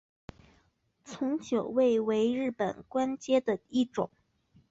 从九位为日本官阶的一种。